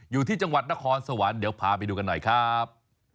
อยู่ที่จังหวัดนครสวรรค์เดี๋ยวพาไปดูกันหน่อยครับ